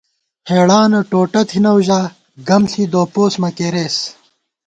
ہېڑانہ ٹوٹہ تھنَؤ ژا ، گم ݪی دُوپوس مہ کېرېس